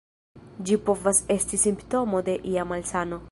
Ĝi povas esti simptomo de ia malsano.